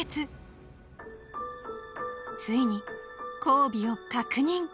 ［ついに交尾を確認］